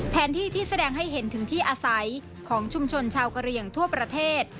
แผนที่ที่แสดงให้เห็นถึงที่อาศัยของชุมชนชาวกะเหลี่ยงทั่วประเทศ